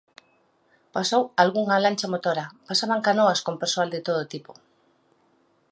Pasou algunha lancha motora; pasaban canoas con persoal de todo tipo.